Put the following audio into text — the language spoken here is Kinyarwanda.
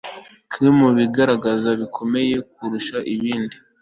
Kimwe mu bigeragezo bikomeye kurusha ibindi